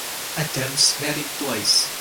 Adams married twice.